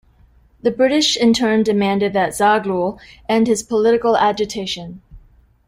The British in turn demanded that Zaghloul end his political agitation.